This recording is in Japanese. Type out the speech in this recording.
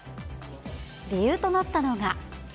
理由となったのが。